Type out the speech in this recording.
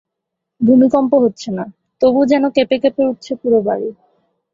শুক্র গ্রহকে মনে করা হত প্রেম, যৌনতা ও যুদ্ধের দেবী ইনান্না।